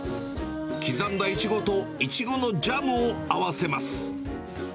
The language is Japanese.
刻んだイチゴとイチゴのジャムを合わせます。